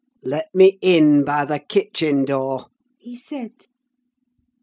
"'Let me in by the kitchen door,' he said.